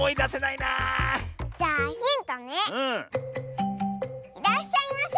いらっしゃいませ。